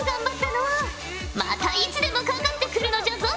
またいつでもかかって来るのじゃぞ！